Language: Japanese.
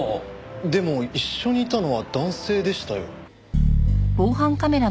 でも一緒にいたのは男性でしたよ。